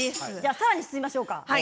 さらに進みましょうか。